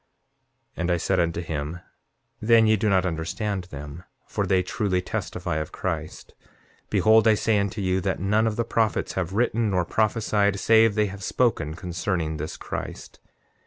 7:11 And I said unto him: Then ye do not understand them; for they truly testify of Christ. Behold, I say unto you that none of the prophets have written, nor prophesied, save they have spoken concerning this Christ.